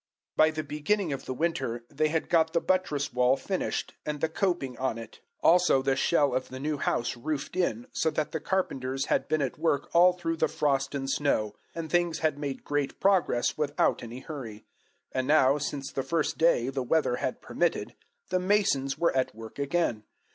By the beginning of the winter, they had got the buttress wall finished and the coping on it, also the shell of the new house roofed in, so that the carpenters had been at work all through the frost and snow, and things had made great progress without any hurry; and now, since the first day the weather had permitted, the masons were at work again.